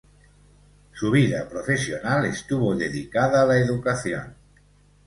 Su vida profesional estuvo dedicada a la educación.